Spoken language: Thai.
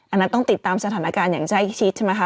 อันนั้นต้องติดตามสถานการณ์อย่างใกล้ชิดใช่ไหมคะ